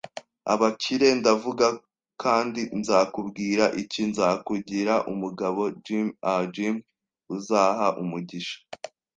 Abakire! Ndavuga. Kandi nzakubwira iki: Nzakugira umugabo, Jim. Ah, Jim, uzaha umugisha